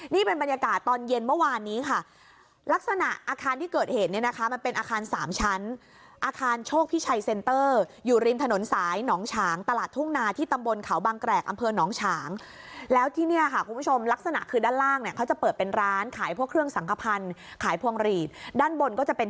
นี่เป็นบรรยากาศตอนเย็นเมื่อวานนี้ค่ะลักษณะอาคารที่เกิดเหตุเนี่ยนะคะมันเป็นอาคารสามชั้นอาคารโชคพิชัยเซ็นเตอร์อยู่ริมถนนสายหนองฉางตลาดทุ่งนาที่ตำบลเขาบางแกรกอำเภอหนองฉางแล้วที่เนี่ยค่ะคุณผู้ชมลักษณะคือด้านล่างเนี่ยเขาจะเปิดเป็นร้านขายพวกเครื่องสังขพันธ์ขายพวงหลีดด้านบนก็จะเป็น